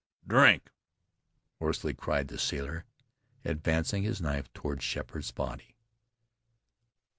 "Drink!" hoarsely cried the sailor, advancing his knife toward Sheppard's body.